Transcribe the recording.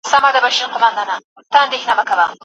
يوه پاڼه د ګورې ونې پر سر راټوکېدلې ده.